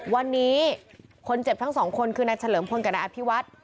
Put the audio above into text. วันนี้คนเจ็บทั้งสองคนคือนายเฉลิมพลกับนายอภิวัฒน์